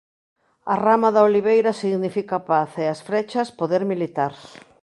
A rama de oliveira significa paz e as frechas poder militar.